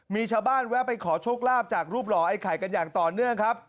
มีชาวบ้านแวะไปขอโชคลาภจากรูปหล่อไอ้ไข่กันอย่างต่อเนื่องครับ